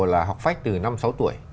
đào học phách từ năm sáu tuổi